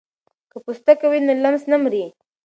که پوستکی وي نو لمس نه مري.